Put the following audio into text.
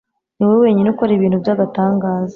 ni wowe wenyine ukora ibintu by'agatangaza